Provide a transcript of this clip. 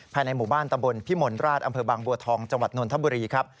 ภายในหมู่บ้านตำบลพิมลราชอำเภอบางบัวทองจังหวัดนนทบุรีครับ